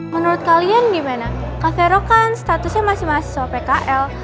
menurut kalian gimana kak vero kan statusnya masih mahasiswa pkl